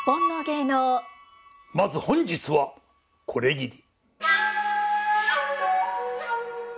まず本日はこれぎり。